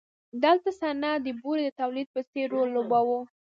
دلته صنعت د بورې د تولید په څېر رول لوباوه.